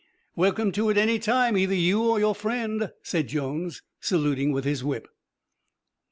"Welcome to it any time, either you or your friend," said Jones, saluting with his whip.